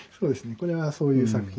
これはそういう作品。